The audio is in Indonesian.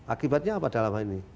akibatnya apa dalam hal ini